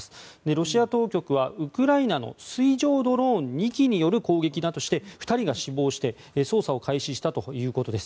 ロシア当局はウクライナの水上ドローン２機による攻撃だとして２人が死亡して捜査を開始したということです。